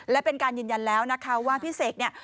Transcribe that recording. และเป็นการยืนยันแล้วนะคะว่าพี่เสกเนี่ย